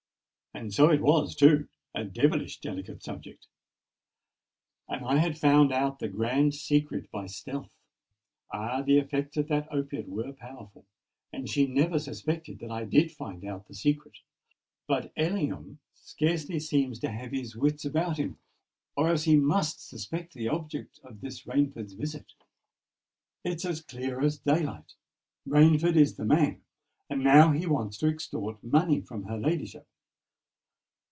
And so it was, too: a devilish delicate subject! And I had found out the grand secret by stealth! Ah! the effects of that opiate were powerful, and she has never suspected that I did find out the secret. But Ellingham scarcely seems to have his wits about him; or else he must suspect the object of this Rainford's visit. It's as clear as day light! Rainford is the man—and now he wants to extort money from her ladyship.